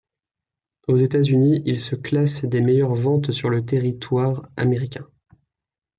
Aux États-Unis, il se classe des meilleures ventes sur le territoire américain.